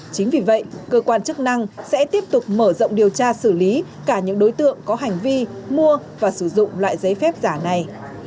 chính vì vậy cơ quan chức năng sẽ tiếp tục mở rộng điều tra xử lý cả những đối tượng có hành vi mua và sử dụng loại giấy phép giả này